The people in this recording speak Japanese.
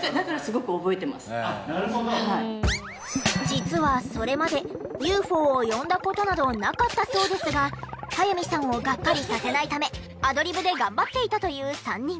実はそれまでＵＦＯを呼んだ事などなかったそうですが早見さんをがっかりさせないためアドリブで頑張っていたという３人。